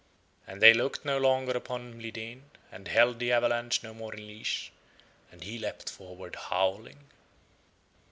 And they looked no longer upon Mlideen and held the avalanche no more in leash, and he leapt forward howling.